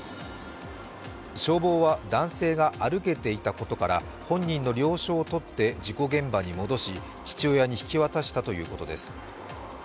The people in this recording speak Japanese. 消防は男性が歩けていたことから、本人の了承をとって事故現場に戻し、父親に引き渡したということです。